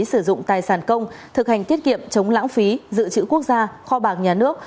sử dụng tài sản công thực hành tiết kiệm chống lãng phí dự trữ quốc gia kho bạc nhà nước